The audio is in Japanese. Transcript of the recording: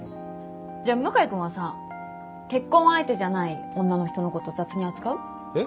じゃあ向井君はさ結婚相手じゃない女の人のこと雑に扱う？え？